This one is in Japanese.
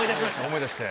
思い出して。